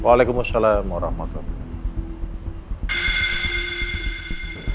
waalaikumsalam warahmatullahi wabarakatuh